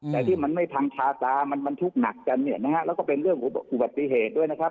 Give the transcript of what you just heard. แต่ที่มันไม่พังทาตามันทุกข์หนักกันแล้วก็เป็นเรื่องอุบัติเหตุด้วยนะครับ